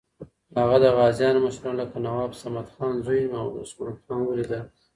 هغه د غازیانو مشرانو لکه نواب صمدخان زوی محمد عثمان خان ولیدل.